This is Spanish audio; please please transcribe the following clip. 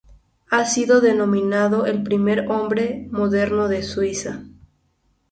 Ha sido denominado el primer hombre moderno de Suecia.